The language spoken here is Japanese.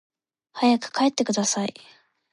早く帰ってください